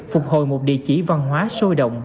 phục hồi một địa chỉ văn hóa sôi động